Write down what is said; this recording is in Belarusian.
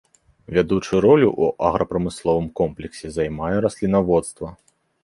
Вядучую ролю ў аграпрамысловым комплексе займае раслінаводства.